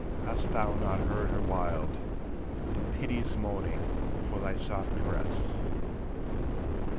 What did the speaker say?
Hast thou not heard her wild And piteous moaning for thy soft caress?